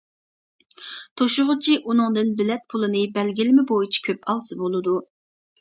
توشۇغۇچى ئۇنىڭدىن بېلەت پۇلىنى بەلگىلىمە بويىچە كۆپ ئالسا بولىدۇ.